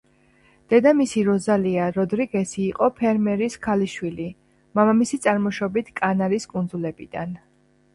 დედამისი როზალია როდრიგესი იყო ფერმერის ქალიშვილი, მამამისი წარმოშობით კანარის კუნძულებიდან.